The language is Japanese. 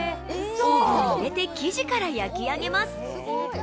オーブンに入れて生地から焼き上げます。